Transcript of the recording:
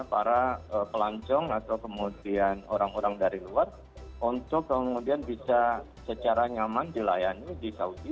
para pelancong atau kemudian orang orang dari luar untuk kemudian bisa secara nyaman dilayani di saudi